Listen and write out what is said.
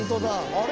あれ？